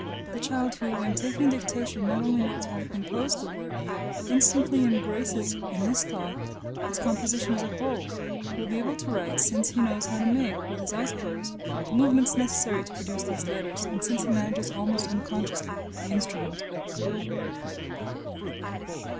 The child who, when taking dictation, not only knows how to compose the word, but instantly embraces in his thought its composition as a whole, will be able to write, since he knows how to make, with his eyes closed, the movements necessary to produce these letters, and since he manages almost unconsciously the instrument of writing.